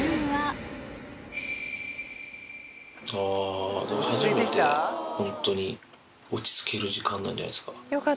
あー、初めて、本当に落ち着ける時間なんじゃないですか。